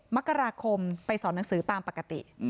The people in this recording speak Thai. มกราคมไปสอนหนังสือตามปกติ